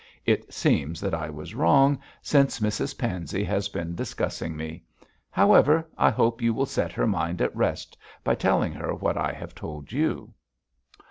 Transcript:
It seems that I was wrong, since Mrs Pansey has been discussing me. However, I hope you will set her mind at rest by telling her what I have told you.'